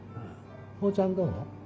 ほーちゃんどう？